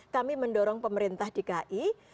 kami mendorong pemerintah dki